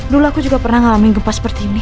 dulu aku juga pernah mengalami gempa seperti ini